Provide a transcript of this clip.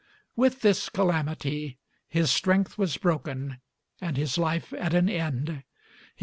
With this calamity his strength was broken and his life at an end.